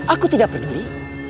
aku tidak peduli